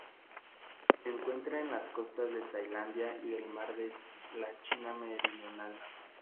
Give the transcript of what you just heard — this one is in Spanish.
Se encuentran en las costas de Tailandia y del Mar de la China Meridional.